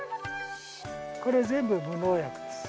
これ全部無農薬です。